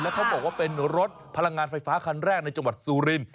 เขาบอกว่าเป็นรถพลังงานไฟฟ้าคันแรกในจังหวัดซูริน